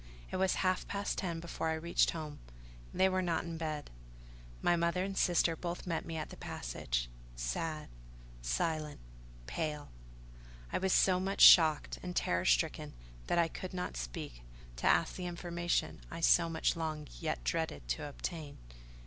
It was half past ten before I reached home. They were not in bed. My mother and sister both met me in the passage—sad—silent—pale! I was so much shocked and terror stricken that I could not speak, to ask the information I so much longed yet dreaded to obtain.